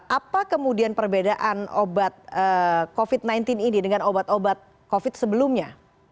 apa kemudian perbedaan obat covid sembilan belas ini dengan obat obat covid sebelumnya